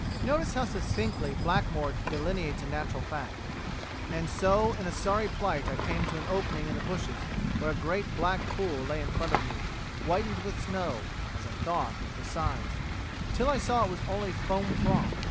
Notice how succinctly Blackmore delineates a natural fact, "And so in a sorry plight I came to an opening in the bushes where a great black pool lay in front of me, whitened with snow (as I thought) at the sides, till I saw it was only foam froth